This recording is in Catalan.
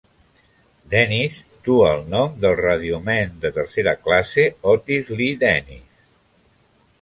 "Dennis" du el nom del Radioman de tercera classe Otis Lee Dennis.